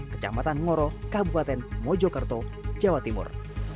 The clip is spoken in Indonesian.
kecamatan ngoro kabupaten mojokerto jawa timur